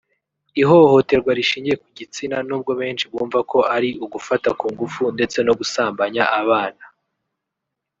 Ihohoterwa rishingiye ku gitsina n’ubwo benshi bumva ko ari ugufata ku ngufu ndetse no gusambanya abana